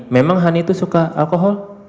memang hani itu suka alkohol